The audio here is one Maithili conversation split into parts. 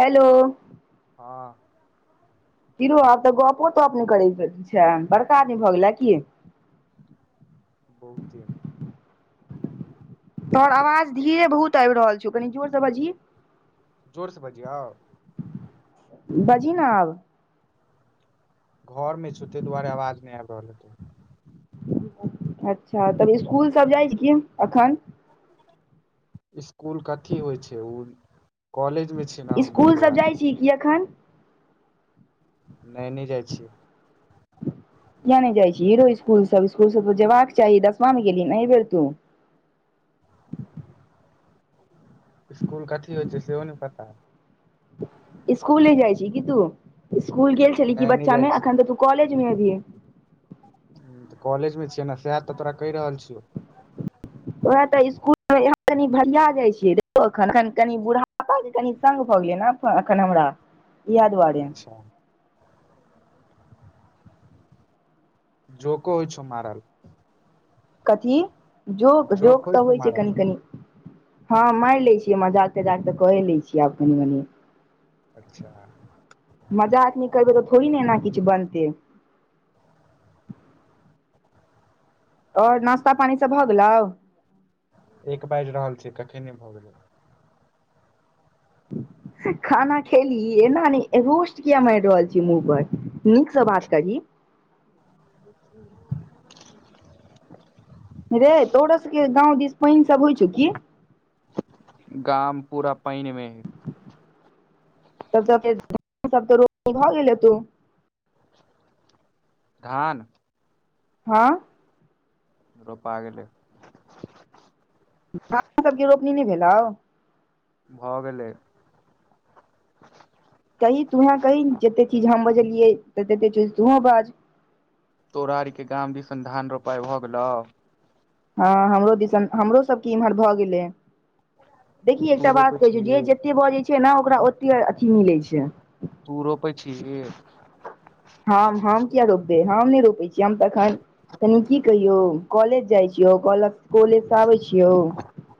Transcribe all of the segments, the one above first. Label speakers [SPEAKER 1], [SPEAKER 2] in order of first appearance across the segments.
[SPEAKER 1] हेलो
[SPEAKER 2] हँ
[SPEAKER 1] कीरऽ आब तऽ गपो तप ने करै छै बड़का आदमी भऽ गेलै की
[SPEAKER 2] बहुते
[SPEAKER 1] तोहर आवाज धीरे बहुत आबि रहल छौ कनी जोर से बझही
[SPEAKER 2] जोरसँ बजिओ
[SPEAKER 1] बजी ने आब
[SPEAKER 2] घर मे छऽ ते दुआरे आवाज नहि आबि रहल हेतो
[SPEAKER 1] अच्छा तब स्कुल सब जाइ छी की अखन
[SPEAKER 2] इसकुल कथी होइ छै उ कॉलेज मे छी ने हम ताहि
[SPEAKER 1] स्कूल सब
[SPEAKER 2] दुआरे
[SPEAKER 1] जाइ छी की एखन
[SPEAKER 2] नहि नहि जाइ छियै
[SPEAKER 1] किया नय जाइ छी रो इसकुल सब स्कुल सब त जयबाक चाही दसमा मे गेलीन एहि बेेर तू
[SPEAKER 2] स्कूल कथी होइ छै सेहो नय पता
[SPEAKER 1] स्कूल ह जाइ छी की तू स्कूल गेल छली की
[SPEAKER 2] नहि नहि
[SPEAKER 1] बच्चा
[SPEAKER 2] जाइ
[SPEAKER 1] में
[SPEAKER 2] छियै
[SPEAKER 1] अखन त तू कॉलेज में एभ
[SPEAKER 2] कॉलेज मे छियै ने सेह‌ त तोरा कहि रहल छियौ
[SPEAKER 1] वह त स्कुल कनि हम कनि भसिया जाइ छियै एखन कनि कनि बूढ़ापा सग पल न अखन हमरा इएह दुआरे
[SPEAKER 2] अच्छा
[SPEAKER 1] [unintelligible]
[SPEAKER 2] जोको होइ छ मारल
[SPEAKER 1] कथी जोक जोक सब‌ होइ छै कनि कनि हँ मारि लै छियै मजाक तजाक तऽ कए लै छियै आब कनि मनि
[SPEAKER 2] अच्छा
[SPEAKER 1] मजाक नय‌ करबै त थोड़ी ने एना किछु बनतै
[SPEAKER 2] आ [unintelligible]
[SPEAKER 1] आओर नास्ता पानी सब भ गेलो
[SPEAKER 2] एक बाजि रहल छै कखन नय भ गेलै
[SPEAKER 1] खाना खेलही एना नय रोस्ट किया मारि रहल छी मुँह पर नीकसँ बात करी
[SPEAKER 2] [inaudible]
[SPEAKER 1] रे तोरो सबके गाँव दिस पानि सब होइ छौ की
[SPEAKER 2] गाम पूरा पानिमय है
[SPEAKER 1] तब तऽ रोपनी भ गेल हतौ
[SPEAKER 2] धान
[SPEAKER 1] हँ
[SPEAKER 2] रोपा गेलै
[SPEAKER 1] [inaudible] सबके रोपनी नहि भेलऔ
[SPEAKER 2] भ गेलै
[SPEAKER 1] कही तुहें कही जते चीज हम बजलियै त तते चीज तुंहो बाज
[SPEAKER 2] तोरा आर के गाम दिसधान रोपाइ भऽ गेलौ
[SPEAKER 1] हँ हमरो दिसन हमरो सभके इम्हर भ गेलै देखि
[SPEAKER 2] तू
[SPEAKER 1] एकटा बात
[SPEAKER 2] रोपै
[SPEAKER 1] कहै छै
[SPEAKER 2] छीही
[SPEAKER 1] जे जते बजै छै ने ओकरा ओते अथी मिलै छै
[SPEAKER 2] तू रोपै छीही
[SPEAKER 1] हम हम किया रोपबे हम नहि रोपे छीय हम त एखन तनी की कहियो कॉलेज जाय छी [unintelligible] कॉलेज से आबे छियौ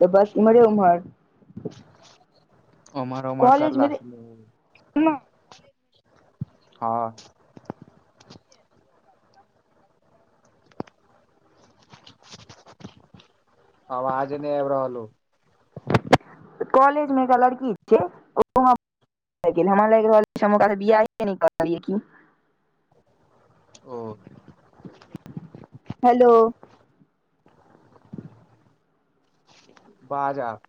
[SPEAKER 1] त बस इमहरे उम्हर
[SPEAKER 2] उमर उमर
[SPEAKER 1] कॉलेज मे
[SPEAKER 2] करला स हँ आवाज नहि आबि रहलो
[SPEAKER 1] कॉलेज मे एकटा‌ लड़की छै ओ [unintelligible] हमरा लागि रहल छै हम ओकरा बियाहे नहि कर [unintelligible] कि
[SPEAKER 2] ओ
[SPEAKER 1] हेलो
[SPEAKER 2] बाज आब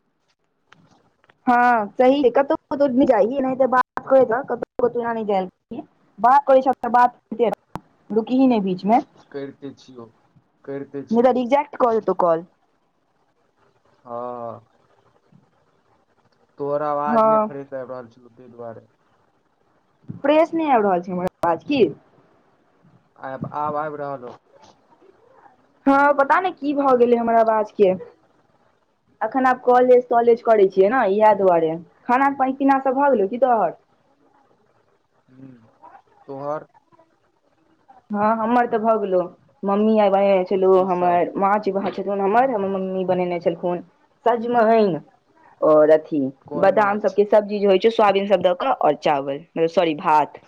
[SPEAKER 1] हँ सही कतौ कतौ नय जाही एनैते बात करैत रह कतौ कतौ एना नय‌ बात करै छी त बात [unintelligible] रुकी ही ने बीच मे
[SPEAKER 2] करिते छियौ करिते
[SPEAKER 1] नय त
[SPEAKER 2] छियौ
[SPEAKER 1] रिजेकट क देतौ कॉल
[SPEAKER 2] हँ तोहर अवाज
[SPEAKER 1] हँ
[SPEAKER 2] नहि फरेस आबि रहल छै तै दुआरे
[SPEAKER 1] फ्रेश नहि आबि रहल छै हमर अवाज की
[SPEAKER 2] आ आब आबि रहल हौ
[SPEAKER 1] हँ पता नहि की भ गेलै हमर आवाज के अखन आब कॉलेज तॉलेज करै छियै ने इएह दुआरे खाना सब भऽ गेलौ की तोहर
[SPEAKER 2] हम्म [unintelligible] तोहर
[SPEAKER 1] हँ हमर तऽ भऽ गेलो मम्मी आए बनेने छलो
[SPEAKER 2] की सब
[SPEAKER 1] हमर माछ भात [unintelligible] हम्मर मम्मी बनेने छलखून सजमैन और
[SPEAKER 2] कोन
[SPEAKER 1] बादाम
[SPEAKER 2] माछ
[SPEAKER 1] सब के सब्जी जे होइ छै सोयबीन सब द क और चावलतल सॉरी भात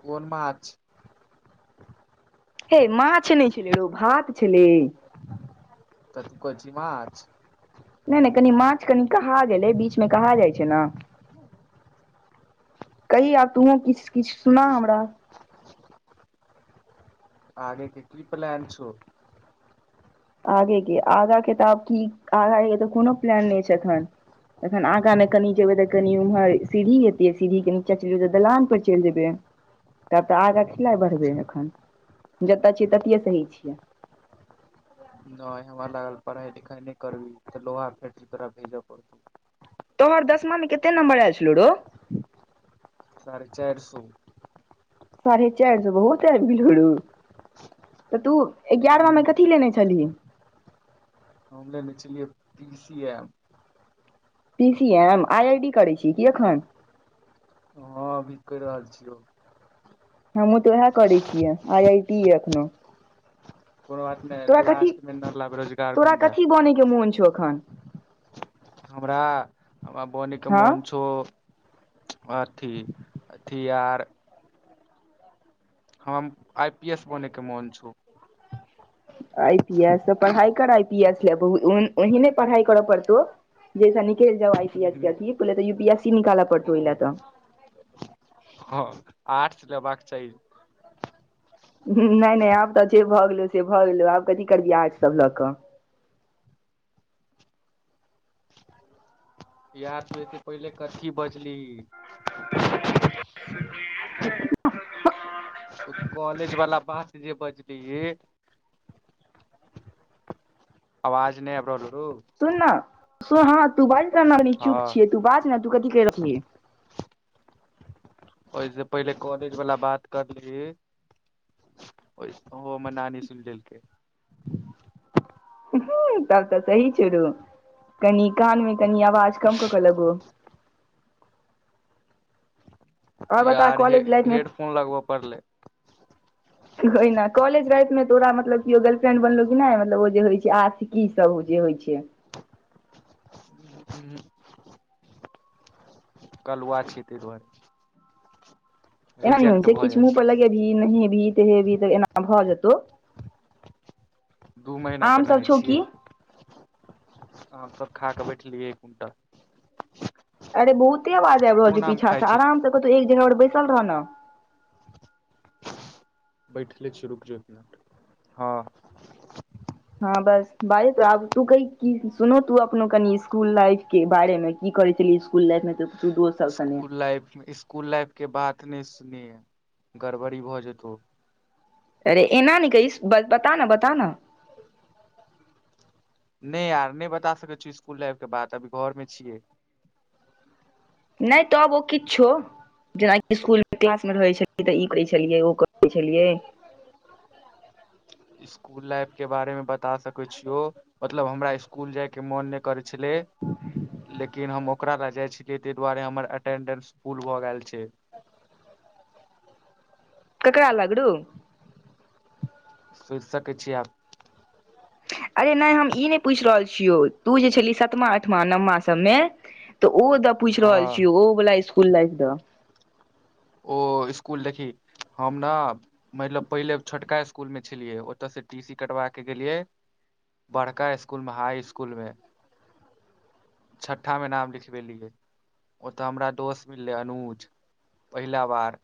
[SPEAKER 2] कोन माछ
[SPEAKER 1] हे मछ नहि छलै हो भात छलै
[SPEAKER 2] त कोछि माछ
[SPEAKER 1] नहि नहि कनी माछ कनि कहा गेलै बीच मे कहा जाइ छै ना कहि आब तूहोँ किछ किछ सुना हमरा
[SPEAKER 2] आगे के की प्लान छो
[SPEAKER 1] आगेके आगाँ के तऽ आब की आगाँके तऽ कोनो प्लान नहि छै एखन तखन आगाँ ने कनि जेबै तऽ कनि उम्हर सीढ़ी एतेै सीढ़ी के निचे चल जेबै तऽ दलान पर चैल जेबै तब तऽ
[SPEAKER 2] नहि
[SPEAKER 1] बढ़बै एखन जतऽ छि ततिये सही छियै
[SPEAKER 2] नहि हमरा लागल पढ़ाई लिखाई नहि करबही तऽ लोहा फेक्ट्री तोरा भेजऽ पड़तौ
[SPEAKER 1] तोहर दशमामे कते नम्बर आयल छलौ रौ
[SPEAKER 2] साढ़े चारि सौ
[SPEAKER 1] साढ़े चारि सए बहुत आबि गेलो रु तऽ तू एगारहा में कथी लेने छ छलहि
[SPEAKER 2] हमले ने छलियै PCA
[SPEAKER 1] P C M I I D करै छी कि एखन
[SPEAKER 2] हँ अभी कहि रहल छियौ
[SPEAKER 1] हमहूँ तऽ उएह करै छियै आई आई टी एखनो
[SPEAKER 2] कोनो बात नहि लास्ट मे नलब रोजगार घुमबै
[SPEAKER 1] बनेके मोन छ अखैन
[SPEAKER 2] हमरा हमरा बने के
[SPEAKER 1] हँ
[SPEAKER 2] मोन छौ अथी अथी आर हम आई पी एस बनेैके मोन छौ
[SPEAKER 1] आई पी एस तऽ पढ़ाइ कर आई पी एस ले ओहने पढ़ाइ करऽ पड़तौ जैस नल जाउ आई सी एस कथील तऽ यू पी एस सी निकालऽ पड़तौ ओहि
[SPEAKER 2] ओ
[SPEAKER 1] ल त
[SPEAKER 2] हँ आर्ट्स लेबाक चाहि
[SPEAKER 1] नहि नहि आब तऽ जे भऽ गेलै से भऽ गेलै आब कथी करबि आर्टसभ लऽ कऽ
[SPEAKER 2] याद पे पहिले कथी बजलहि
[SPEAKER 1] [inaudible] [unintelligible]
[SPEAKER 2] [unintelligible] ओ कॉलेज वाला बात जे बजली आवाज नहि अपर हो
[SPEAKER 1] सुन ने ह तू बाज चुप
[SPEAKER 2] हँ
[SPEAKER 1] छियै तू बाज ने त कथी कर रहल छै
[SPEAKER 2] ओहिसँ पहिले कॉलेजवाला बात करलिह [unintelligible] ओ ओ हमर नानी सुन लेलके
[SPEAKER 1] हू तब तऽ सही छोड़ु कनि कान मे कनि आवाज कम क के लबो आओर बता
[SPEAKER 2] यऽ
[SPEAKER 1] कॉलेज लाइफ मे
[SPEAKER 2] हेडफोन लगाबऽ पड़लै
[SPEAKER 1] [unintelligible] हो ने कॉलेज लाइफ मे तोरा मतलब के गर्ल्रेंड बनल कि नहि मलब ओ जे होइ छै आ की सब जे होइ छै
[SPEAKER 2] कलुआ छियह ते दुआरे
[SPEAKER 1] एना नहि होइ
[SPEAKER 2] रिजेक्ट
[SPEAKER 1] छै
[SPEAKER 2] भऽ जाइ
[SPEAKER 1] किछु मुँह पर
[SPEAKER 2] छियै
[SPEAKER 1] लगेबही नहेबही तेहेबही तऽ एना भऽ जेतौ
[SPEAKER 2] दू महिना पय
[SPEAKER 1] आम सब
[SPEAKER 2] नहाय
[SPEAKER 1] छौ
[SPEAKER 2] छियै
[SPEAKER 1] की
[SPEAKER 2] हम सभ खा कऽ बैसलियै तऽ
[SPEAKER 1] अरे, बहुते आवाज आबि रहल छै।
[SPEAKER 2] कोन आम
[SPEAKER 1] पीछा
[SPEAKER 2] खाइ
[SPEAKER 1] सँ।
[SPEAKER 2] छी तू
[SPEAKER 1] आराम सँ कतहु एक जगह पर बैसल रह ने।
[SPEAKER 2] बैठले छियौ रुकि जो एक मिनट
[SPEAKER 1] हँ, बस बाज। आब तू कह, सुन, तू अपन कनि स्कूल लाइफक बारेमे। की कर छल इकुल लाइफमे त तू दोस
[SPEAKER 2] स्कूल लाइफ स्कूल लाइफक बात नहि सुन गड़बड़ी भऽ जेतौ
[SPEAKER 1] अरे एना न की बताना बता ना
[SPEAKER 2] नहि यार नहि बता सकैत छी स्कूल लाइफक बात एखन घरमे छी
[SPEAKER 1] नहि तब ओ किछु जेनाकि स्कूलमे क्लास मे रहै छलियै तऽ ई करै छलियै ओ करै छलियै
[SPEAKER 2] स्कूल लाइफ के बारे मे बता सके छियो मतलब हमरा स्कूल जाय के मोन न करैत छलै लेकिन हम ओकरा लऽ जाइ छलै ताहि दुआरे हमर अटेंडेंस फूल भऽ गेल छै।
[SPEAKER 1] ककरा आ लगू
[SPEAKER 2] सोचि सकैत छियै आब
[SPEAKER 1] अरे नहि हम ई नहि पूछि रहल छियौ तू जे छलही सातम आठम नवम सभमे तऽ ओ द पूछि रहल
[SPEAKER 2] हँ
[SPEAKER 1] छीयै ओ वला स्कुल लाइफ दऽ
[SPEAKER 2] स्कूल देखी हम ने मतलब पहिने छोटका स्कूलमे छलियै ओतय सँ टी सी कटवा कऽ गेलियै बड़का स्कूलमे हाई स्कूलमे छठा मे नाम लिखबेलियै ओतऽ हमरा दोस्त मिलले अनुज पहिला बार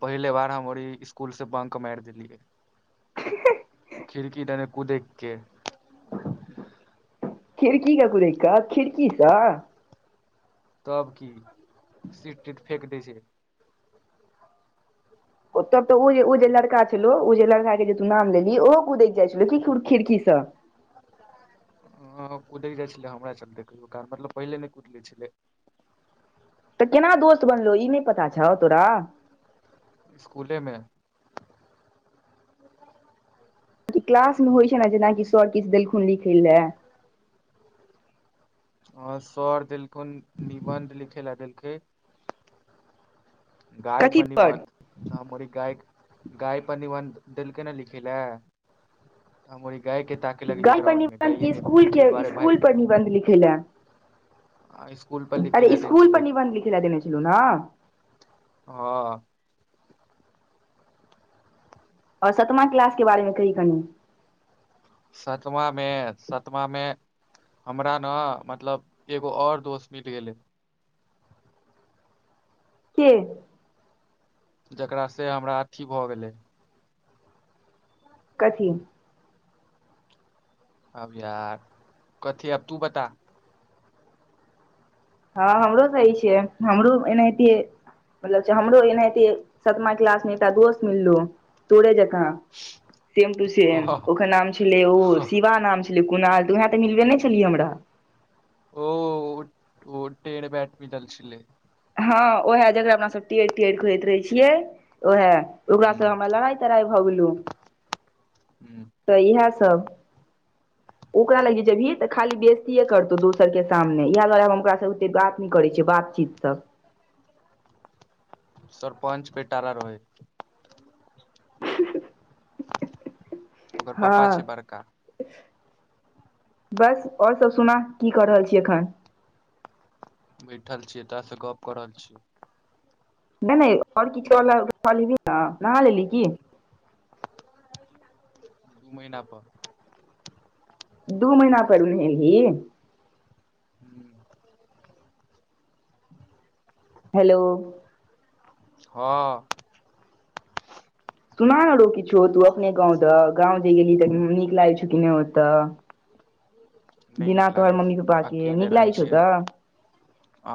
[SPEAKER 2] पहिने बेर हम ओ ई स्कूल सँ बंक मारि देलियै खिड़की देने कुदैके
[SPEAKER 1] खिड़की सँ कदै क खिड़की छ
[SPEAKER 2] तऽ की सीट-वीट फेक देत छै।
[SPEAKER 1] ओतऽ तऽ ओ जे लड़का छल, ओ जे लड़का के जे तू नाम लेलियै, ओहो कुदैत जाइ छल की खिड़की सँ?
[SPEAKER 2] ह कुदै जाइ छलै हमरा चले कहियो कार मतलब पहिले नहि कुद ले छलै
[SPEAKER 1] तऽ केना दोस्त बनलहुँ ई नहि पता छौ तोरा
[SPEAKER 2] स्कूलेमे
[SPEAKER 1] क्लासमे होइत छै। ने जेना कि सर किछु देलखिन लिखै ले
[SPEAKER 2] अ सर देलखुन निबन्ध लिखे लए देलखै गाय पर निबन्ध गाय गाय पर निबन्ध देलकै ने लिखै लए तऽ हम ओ गायके ताकऽ लगलियै
[SPEAKER 1] गाय पर
[SPEAKER 2] ग्राउंडमे
[SPEAKER 1] निबंध
[SPEAKER 2] गाय
[SPEAKER 1] कि
[SPEAKER 2] नहि
[SPEAKER 1] स्कूल
[SPEAKER 2] भेटलै ताहि
[SPEAKER 1] के
[SPEAKER 2] दुआरे भागि
[SPEAKER 1] स्कूल पर निबंध लिखै लए
[SPEAKER 2] गेलियै आ स्कूल पर लिखै
[SPEAKER 1] अरे
[SPEAKER 2] ला देने
[SPEAKER 1] स्कूल पर
[SPEAKER 2] छलै
[SPEAKER 1] निबन्ध लिख लए देने छलहुँ ने
[SPEAKER 2] हँ
[SPEAKER 1] आओर सातम क्लासक बारेमे कही कनी
[SPEAKER 2] सातममे सातममे हमरा ने मतलब एगो और दोस्त मिल गेलै
[SPEAKER 1] के
[SPEAKER 2] जकरा सँ हमरा अथी भऽ गेलै
[SPEAKER 1] कथी
[SPEAKER 2] आब यार किछु आब तू बता
[SPEAKER 1] हँ हमरो सही छियै हमरो एनाहिते मतलब हमरो एनाहिते सतमा क्लास मे एकटा दोस्त मिललो तोरे जकाँ सेम टू सेम ओकर नाम छलै ओ शिवा नाम कोना आयल तऽ उएह तऽ भेटबे नहि छलियै हमरा
[SPEAKER 2] ओ ओ टे बैट भी चल छलै
[SPEAKER 1] हँ ओएहे जेकरा हमरा सब टेर टेर कहैत रहे छियै ओएहे ओकरा सब ह ला तरा भऽ गेलहुँ
[SPEAKER 2] ह
[SPEAKER 1] तऽ ई सभ ओकरा लगि जेबही तऽ खाली बेजतिए करतौ दोसर के सामने इएह दुआरे हम ओकरा स ओते बात नहि करै छियै बात चीज सब
[SPEAKER 2] सरपंच पेटारा रहै
[SPEAKER 1] [unintelligible]
[SPEAKER 2] ओकर पापा छै
[SPEAKER 1] हँ
[SPEAKER 2] बड़का
[SPEAKER 1] बस ओर सब सुना की क रहल छी एखन
[SPEAKER 2] बैठल छीयै तोरा स गप क रहल छीयॏ
[SPEAKER 1] नहि नहि आओर [unintelligible] नहा लेलिय की
[SPEAKER 2] दू महिना पर
[SPEAKER 1] दू महिना पैर नहेलिही
[SPEAKER 2] ह [inaudible]
[SPEAKER 1] हेलो
[SPEAKER 2] हँ
[SPEAKER 1] सुना न रऊ किछ तू अपने गाँव तऽ गाँंव जे गेली त नीक लागै छौ कि नहि ओते
[SPEAKER 2] नहि
[SPEAKER 1] बिना
[SPEAKER 2] नीक
[SPEAKER 1] तोहर
[SPEAKER 2] लागै
[SPEAKER 1] मम्मी पप्पा के निकलागे छौ ओतअ
[SPEAKER 2] आ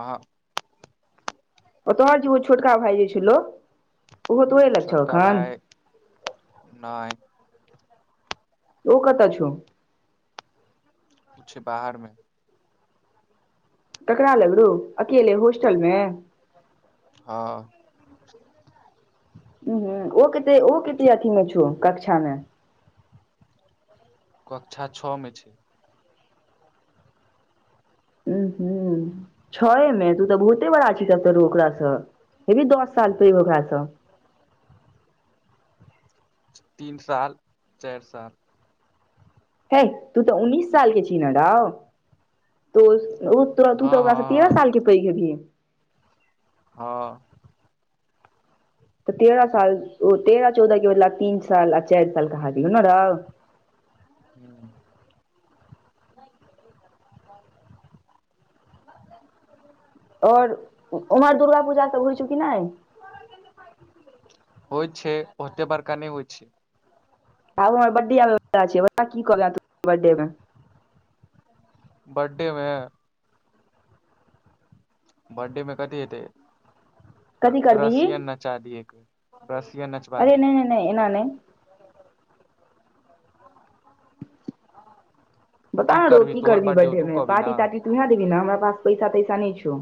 [SPEAKER 1] ओ तोहर जे ओ छोटका भाई जे छेलो
[SPEAKER 2] छोटका भाय नहि
[SPEAKER 1] ओ कतऽ छौ
[SPEAKER 2] ओ छै। बाहरमे
[SPEAKER 1] ककरा लग राऊ अकेले होस्टल मे
[SPEAKER 2] हां [inaudible]
[SPEAKER 1] ओ ह ओ कते ओ कते अथी मे छौ कक्षा मे
[SPEAKER 2] कक्षा छ मे छै
[SPEAKER 1] हू हू छएमे तू तऽ बहुते बड़ा छि तऽ ओकरासँ हेबी दस साल पैघ ओकरा स
[SPEAKER 2] तीन साल चैर साल
[SPEAKER 1] हे तू तऽ उन्ननीस साल के छी ने रौ [unintelligible] त तू
[SPEAKER 2] हँ
[SPEAKER 1] तऽ ओकरा स तेरह
[SPEAKER 2] हँ
[SPEAKER 1] साल के पैघ हेबही
[SPEAKER 2] हँ
[SPEAKER 1] तऽ तेरह साल ओ तेरह-चौदहक बदला तीन साल आ चारि साल कहा गेलो न रो
[SPEAKER 2] [unintelligible]
[SPEAKER 1] और उम्हर दुर्गा पूजा सब होइ छौ कि नहि
[SPEAKER 2] होइ छै ओते बरका नए होइ छै
[SPEAKER 1] आब हमर बर्डे आबअ बला छै बता कि [unintelligible]
[SPEAKER 2] बर्डे मे बर्डे मे कथि हेते
[SPEAKER 1] कथी करबिही
[SPEAKER 2] रसियन नचा दी एक रसियन नचवा दी
[SPEAKER 1] नए एना नय बता रौ की
[SPEAKER 2] तोहर
[SPEAKER 1] करबही
[SPEAKER 2] बर्थडे हौ
[SPEAKER 1] बर्डे
[SPEAKER 2] तू
[SPEAKER 1] मे
[SPEAKER 2] कहबी
[SPEAKER 1] पार्टी
[SPEAKER 2] न
[SPEAKER 1] तार्टी तू उह देबही ने हमरा पास पैसा तैसा नहि छौ